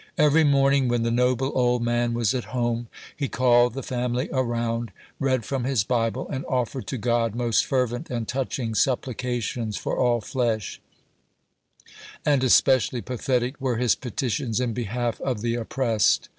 Every morning, when the noble old man was at home, he called the family around, read from his Bible, and offered to God most fervent and touching supplications for all flesh ; and especially pathetic were his petitions in behalf of the oppressed.